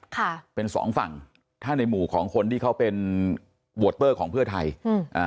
ค่ะเป็นสองฝั่งถ้าในหมู่ของคนที่เขาเป็นโวเตอร์ของเพื่อไทยอืมอ่า